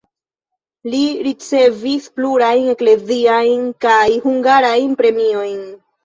Li ricevis plurajn ekleziajn kaj hungarajn premiojn.